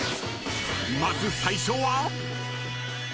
［まず最初は］